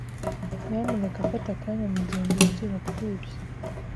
Nyamuneka fata akanya mugihe ngenzura kuri ibyo.